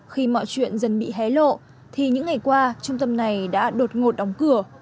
khi mọi chuyện dần bị hé lộ thì những ngày qua trung tâm này đã đột ngột đóng cửa